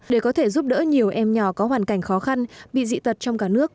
để có thể giúp đỡ nhiều em nhỏ có hoàn cảnh khó khăn bị dị tật trong cả nước